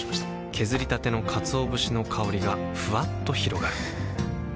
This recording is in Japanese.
削りたてのかつお節の香りがふわっと広がるはぁ。